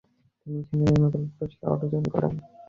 তিনি শান্তিতে নোবেল পুরস্কার অর্জন করেন।